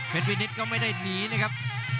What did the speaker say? เพชรวินิฐฐ์ก็ไม่ได้หนีนะครับ